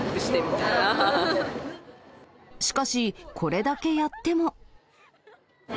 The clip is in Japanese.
しかし、これだけやっても。